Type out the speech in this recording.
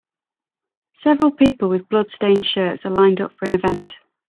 Several people with blood stained shirts are lined up for an event.